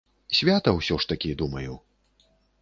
Свята ўсё-такі ж, думаю.